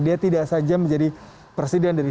dia tidak saja menjadi presiden dari